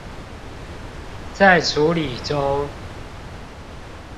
在處理中